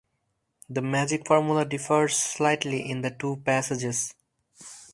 The magic formula differs slightly in the two passages.